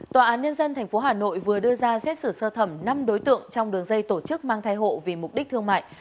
tòa án nhân dân tp hà nội vừa đưa ra xét xử sơ thẩm năm đối tượng trong đường dây tổ chức mang thai hộ vì mục đích thương mại